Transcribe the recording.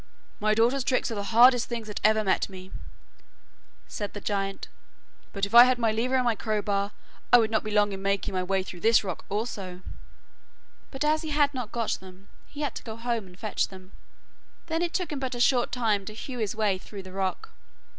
'My daughter's tricks are the hardest things that ever met me,' said the giant, 'but if I had my lever and my crowbar, I would not be long in making my way through this rock also,' but as he had got them, he had to go home and fetch them. Then it took him but a short time to hew his way through the rock.